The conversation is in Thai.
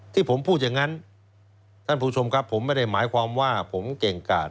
ที่ผมพูดอย่างนั้นท่านผู้ชมครับผมไม่ได้หมายความว่าผมเก่งกาด